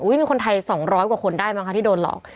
มีคนไทย๒๐๐กว่าคนได้มั้งคะที่โดนหลอก